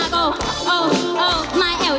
โกยาออด